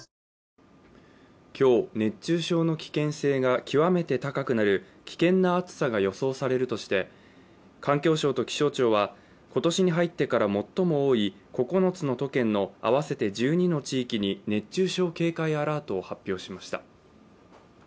今日、熱中症の危険性が極めて高くなる危険な暑さが予想されるとして環境省と気象庁は今年に入ってから最も多い９つの都県の合わせて１２の地域に熱中症警戒アラートを発表しました。